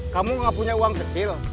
kamu gak punya uang kecil